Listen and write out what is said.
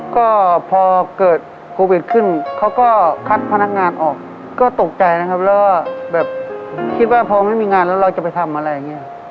ก็พอเกิดโควิดขึ้นเขาก็คัดพนักงานออกก็ตกใจนะครับแล้วก็แบบคิดว่าพอไม่มีงานแล้วเราจะไปทำอะไรอย่างนี้